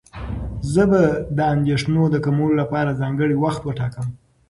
زه به د اندېښنو د کمولو لپاره ځانګړی وخت وټاکم.